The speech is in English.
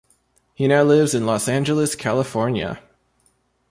He now lives in Los Angeles, California.